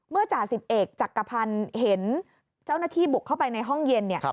จ่าสิบเอกจักรพันธ์เห็นเจ้าหน้าที่บุกเข้าไปในห้องเย็นเนี่ย